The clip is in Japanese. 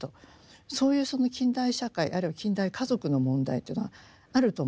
そういうその近代社会あるいは近代家族の問題というのがあると思うんですよね。